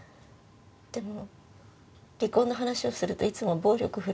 でも離婚の話をするといつも暴力振るわれて。